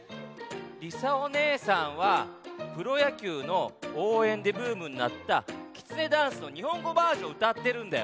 りさおねえさんはプロやきゅうのおうえんでブームになった「きつねダンス」のにほんごバージョンをうたってるんだよ。